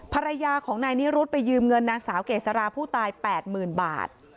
ภรรยาของนายนิรุธไปยืมเงินนางสาวเกษราผู้ตาย๘๐๐๐บาท